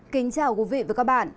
kính chào quý vị và các bạn